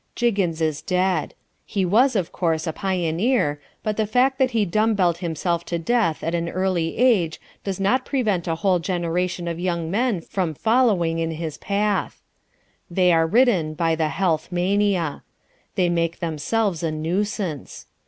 Jiggins is dead. He was, of course, a pioneer, but the fact that he dumb belled himself to death at an early age does not prevent a whole generation of young men from following in his path. They are ridden by the Health Mania. They make themselves a nuisance.